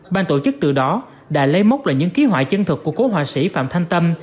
ban tổ chức từ đó đã lấy mốc lại những kế hoạch chân thực của cô họa sĩ phạm thanh tâm